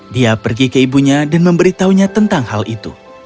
dia pergi ke ibunya dan memberitahunya tentang hal itu